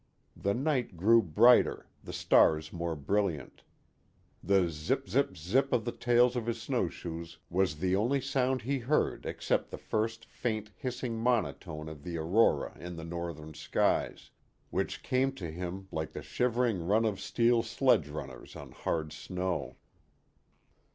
The night grew brighter, the stars more brilliant. The zipp, zipp, zipp of the tails of his snow shoes was the only sound he heard except the first faint, hissing monotone of the aurora in the northern skies, which came to him like the shivering run of steel sledge runners on hard snow.